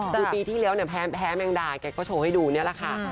คือปีที่แล้วเนี่ยแพ้แมงดาแกก็โชว์ให้ดูนี่แหละค่ะ